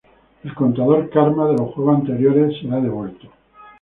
El "Contador Karma" de los juegos anteriores será devuelto.